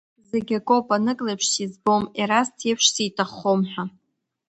Зегь акоуп, анык леиԥш сизбом, Ерасҭ иеиԥш сиҭаххом, ҳәа.